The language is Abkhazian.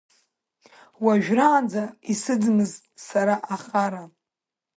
Уажәраанӡа исыдмызт сара ахара.